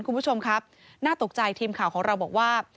คุณผู้ชมครับน่าตกใจทีมข่าวของเราบอกว่า